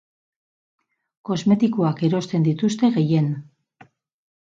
Kosmetikoak erosten dituzte gehien.